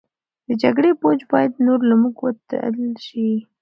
د جګړې بوج باید نور له موږ وتل شي.